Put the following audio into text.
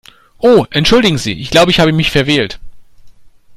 Oh entschuldigen Sie, ich glaube, ich habe mich verwählt.